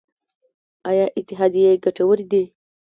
آیا اتحادیې ګټورې دي؟